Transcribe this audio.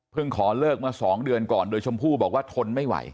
ขอเลิกมา๒เดือนก่อนโดยชมพู่บอกว่าทนไม่ไหว